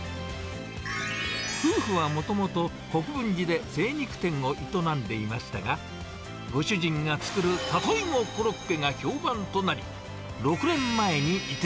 夫婦はもともと、国分寺で精肉店を営んでいましたが、ご主人が作る里芋コロッケが評判となり、６年前に移転。